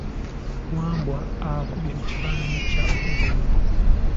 Wambwa akubye ekifananyi kya ovolo.